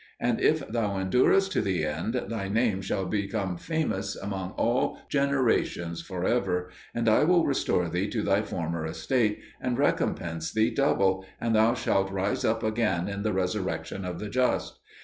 And, if thou endurest to the end, thy name shall become famous among all generations for ever; and I will restore thee to thy former estate, and recompense thee double, and thou shalt rise up again in the resurrection of the just.